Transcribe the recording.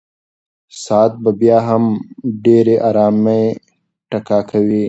ساعت به بیا هم په ډېرې ارامۍ ټکا کوي.